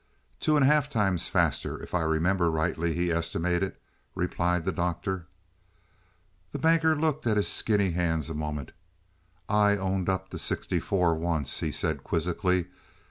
"Two and a half times faster, if I remember rightly, he estimated," replied the Doctor. The Banker looked at his skinny hands a moment. "I owned up to sixty four once," he said quizzically.